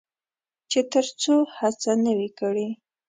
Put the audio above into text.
چې تر څو هڅه نه وي کړې.